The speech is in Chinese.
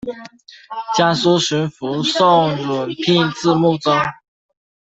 江苏巡抚宋荦聘致幕中。